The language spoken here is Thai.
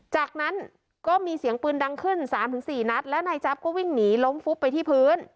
จากนั้นก็มีเสียงปืนดังขึ้น๓๔นัดแล้วนายจั๊บก็วิ่งหนีล้มฟุบไปที่พื้น